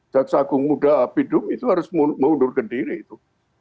jaksa agung muda pidum itu harus mengundurkan diri itu